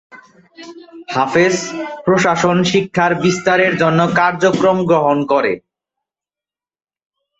হাফেজ প্রশাসন শিক্ষার বিস্তারের জন্য কার্যক্রম গ্রহণ করে।